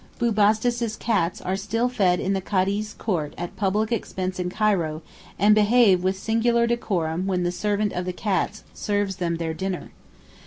Bubastis' cats are still fed in the Cadi's court at public expense in Cairo, and behave with singular decorum when 'the servant of the cats' serves them their dinner.